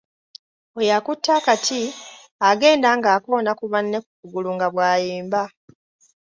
Oyo akutte akati agenda ng’akoona ku banne ku kugulu nga bw'ayimba.